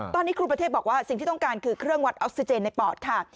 ตอนนี้ครูประเทศบอกว่าสิ่งที่ต้องการคือเครื่องวัดออกซิเจนในปอดค่ะ